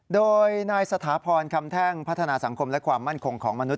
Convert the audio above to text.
โดยนายสถาพรคำแท่งพัฒนาสังคมและความมั่นคงของมนุษ